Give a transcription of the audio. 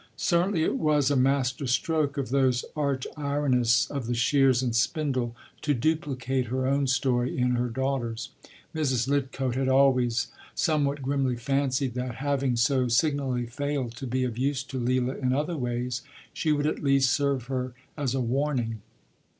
” Certainly it was a master stroke of those arch ironists of the shears and spindle to duplicate her own story in her daughter’s. Mrs. Lidcote had always somewhat grimly fancied that, having so signally failed to be of use to Leila in other ways, she would at least serve her as a warning.